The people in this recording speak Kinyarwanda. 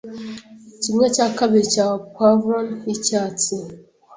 kimwe cya kabiri cya poivron y'icyatsi